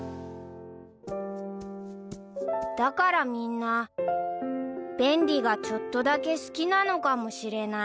［だからみんな便利がちょっとだけ好きなのかもしれない］